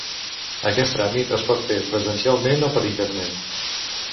Aquest tràmit es pot fer presencialment o per internet.